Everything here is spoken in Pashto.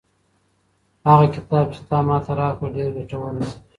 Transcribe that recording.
هغه کتاب چې تا ماته راکړ ډېر ګټور و.